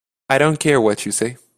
I don't care what you say.